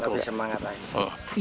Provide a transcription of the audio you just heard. lebih semangat lagi